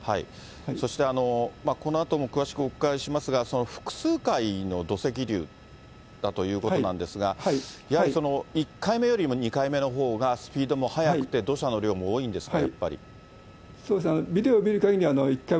そして、このあとも詳しくお伺いしますが、複数回の土石流だということなんですが、やはり、１回目よりも２回目のほうがスピードも速くて、土砂の量も多いんですか？